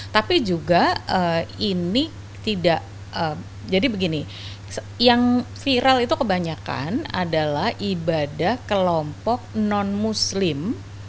tapi juga ini tidak jadi begini yang viral itu kebanyakan adalah ibadah kelompok non muslim